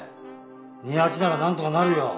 二八ならなんとかなるよ。